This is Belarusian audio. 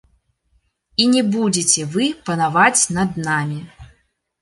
І не будзеце вы панаваць над намі.